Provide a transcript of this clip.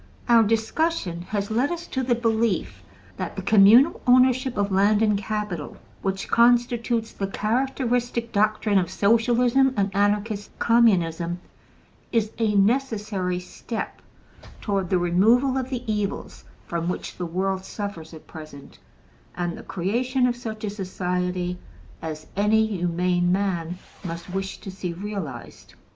Our discussion has led us to the belief that the communal ownership of land and capital, which constitutes the characteristic doctrine of Socialism and Anarchist Communism, is a necessary step toward the removal of the evils from which the world suffers at present and the creation of such a society as any humane man must wish to see realized.